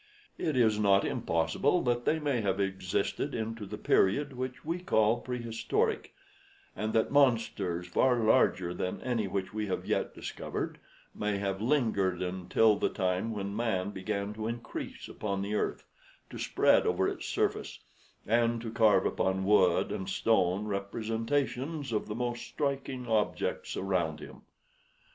It is not impossible that they may have existed into the period which we call prehistoric, and that monsters far larger than any which we have yet discovered may have lingered until the time when man began to increase upon the earth, to spread over its surface, and to carve upon wood and stone representations of the most striking objects around him.